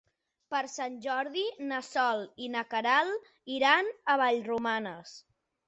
Per Sant Jordi na Sol i na Queralt iran a Vallromanes.